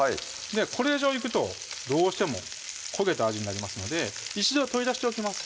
これ以上いくとどうしても焦げた味になりますので一度取り出しておきます